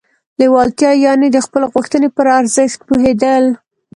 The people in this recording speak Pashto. لېوالتیا يانې د خپلې غوښتنې پر ارزښت پوهېدل.